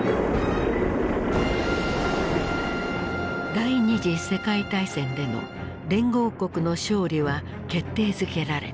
第二次世界大戦での連合国の勝利は決定づけられた。